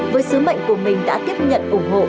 với sứ mệnh của mình đã tiếp nhận ủng hộ